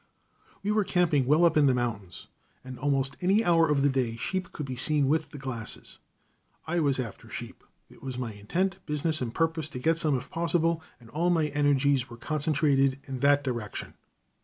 We were camping well up in the mountains, and almost any hour of the day sheep could be seen with the glasses. I was after sheep; it was my intent, business, and purpose to get some if possible, and all my energies were concentrated in that direction.